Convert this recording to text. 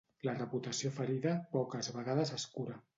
Una reputació ferida poques vegades es cura.